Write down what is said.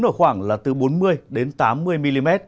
ở khoảng là từ bốn mươi tám mươi mm